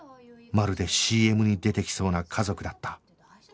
まるで ＣＭ に出てきそうな家族だった